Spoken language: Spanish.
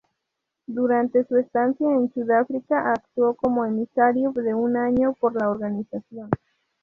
Durante su estancia en Sudáfrica actuó como emisario de un año por la organización.